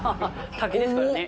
竹ですからね。